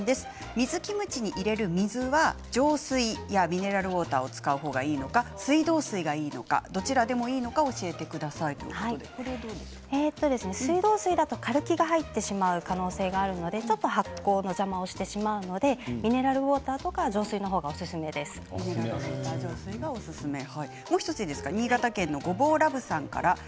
水キムチに入れる水は浄水、ミネラルウォーターを使う方がいいのか水道水がいいのかどちらでもいいのか水道水だとカルキが入ってしまう可能性があるので、ちょっと発酵の邪魔をしてしまうのでミネラルウォーターや新潟県の方です。